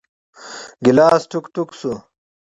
ګیلاس ټوک ، ټوک شو .